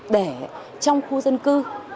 để trong khu dân cư